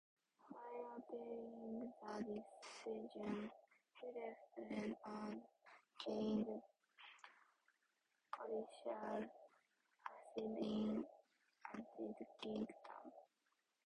While appealing the decision, he left Iran and gained political asylum in United Kingdom.